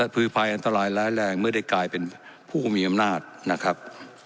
ภูมิภัยอันตรายร้ายแรงเมื่อได้กลายเป็นผู้มีอำนาจนะครับ